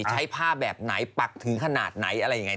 ใช้ผ้าแบบไหนปักถือขนาดไหนอะไรอย่างนี้